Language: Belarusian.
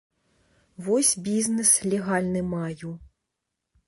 Вось бізнэс легальны маю.